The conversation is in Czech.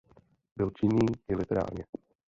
Byl činný i literárně.